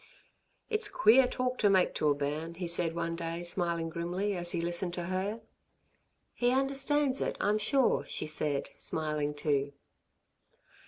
"It's queer talk to make to a bairn," he said one day, smiling grimly, as he listened to her. "He understands it, I'm sure," she said, smiling too.